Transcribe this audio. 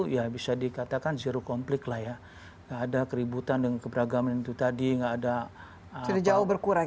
ya bisa dikatakan zero konflik lah ya ada keributan dengan keberagaman itu tadi nggak ada jauh berkurang